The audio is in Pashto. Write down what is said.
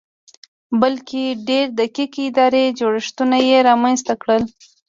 بلکې ډېر دقیق اداري جوړښتونه یې رامنځته کړل